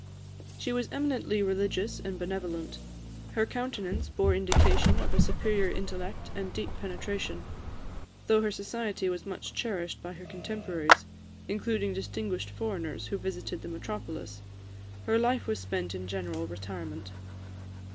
She was eminently religious and benevolent. Her countenance bore indication of a superior intellect and deep penetration. Though her society was much cherished by her contemporaries, including distinguished foreigners who visited the metropolis, her life was spent in general retirement.